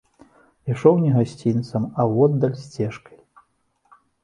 Ішоў не гасцінцам, а воддаль, сцежкай.